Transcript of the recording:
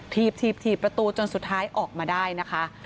ถีบประตูจนสุดท้ายออกมาได้นะคะ